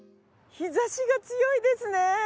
日差しが強いですね。